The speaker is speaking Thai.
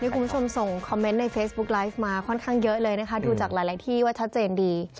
คุณผู้ชมส่งคอมเมนต์ในเฟซบุ๊กไลฟ์มาค่อนข้างเยอะเลยนะคะดูจากหลายที่ว่าชัดเจนดี